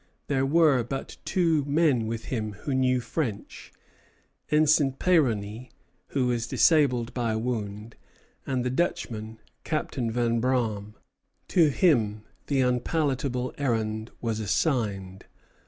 There were but two men with him who knew French, Ensign Peyroney, who was disabled by a wound, and the Dutchman, Captain Vanbraam. To him the unpalatable errand was assigned.